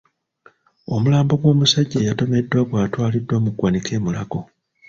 Omulambo gw'omusajja eyatomeddwa gwatwaliddwa mu ggwanika e Mulago.